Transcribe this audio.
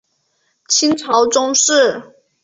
清朝宗室。